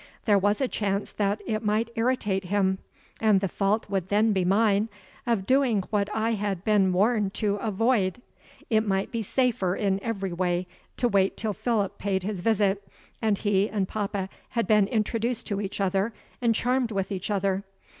There was a chance that it might irritate him and the fault would then be mine of doing what I had been warned to avoid. It might be safer in every way to wait till Philip paid his visit, and he and papa had been introduced to each other and charmed with each other.